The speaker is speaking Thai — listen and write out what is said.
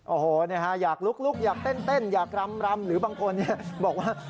โอ้โหอยากลุกอยากเต้นอยากรำหรือบางคนบอกว่า